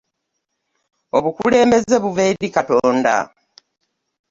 Obukulembeze buva eri katonda.